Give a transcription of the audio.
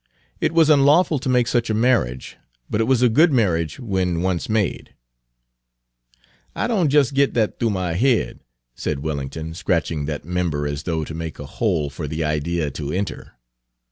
It was unlawful to make such a marriage, but it was a good marriage when once made." "I don' jes' git dat th'oo my head," said Wellington, scratching that member as though to make a hole for the idea to enter.